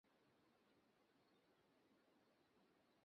মহেন্দ্র কহিল, ভালো মুশকিলেই ফেলিলে।